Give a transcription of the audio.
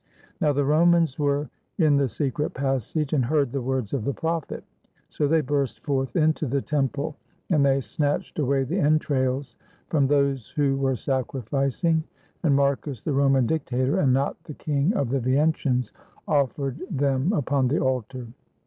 Now the Romans were in the secret passage, and heard the words of the prophet. So they burst forth into the temple, and they snatched away the entrails from those who were sacrificing, and Marcus, the Roman dictator, and not the king of the Veientians, offered them upon the altar.